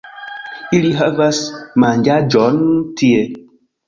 Ili havas manĝaĵon tie